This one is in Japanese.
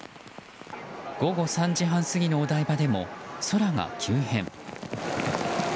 午後３時半過ぎのお台場でも空が急変。